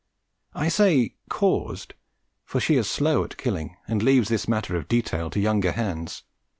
I say caused, for she is slow at killing and leaves this matter of detail to younger hands.